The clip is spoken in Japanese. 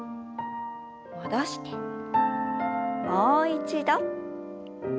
戻してもう一度。